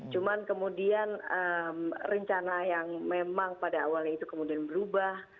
cuman kemudian rencana yang memang pada awalnya itu kemudian berubah